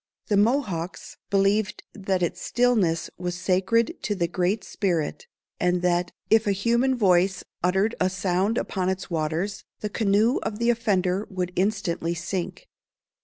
The Mohawks believed that its stillness was sacred to the Great Spirit, and that, if a human voice uttered a sound upon its waters, the canoe of the offender would instantly sink.